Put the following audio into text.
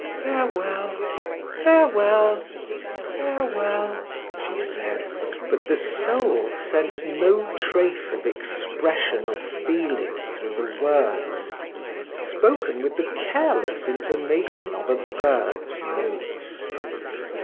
"Farewell, farewell, farewell," she said, but the soul sent no trace of expression of feeling through the words, spoken with the careless intonation of a bird's notes.